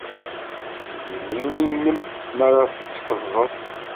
Meddel imi-nnem mi ara tettfeẓẓed.